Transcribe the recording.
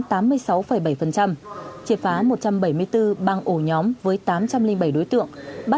triệt phá một trăm bảy mươi bốn băng ổ nhóm với tám trăm linh bảy đối tượng